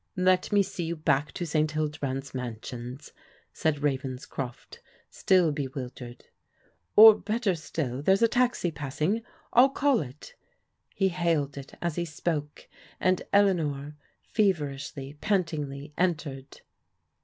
" Let me see you back to St. Hildebrand's Mansions," said Ravenscroft, still bewildered. " Or, better still, there's a taxi passing. I'll call it." He hailed it as he spoke, and Eleanor, feverishly, pantingly entered.